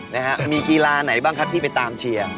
นะฮะมีกีฬาไหนบ้างครับที่ไปตามเชียร์